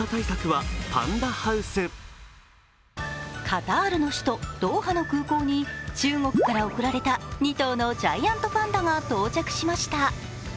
カタールの首都ドーハの空港に中国から贈られた２頭のジャイアントパンダが到着しました。